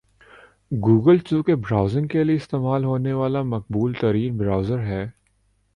Google چونکہ browsing کے لئے استعمال ہونے والا مقبول ترین برؤزر ہے